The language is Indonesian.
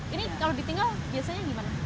ini kalau ditinggal biasanya gimana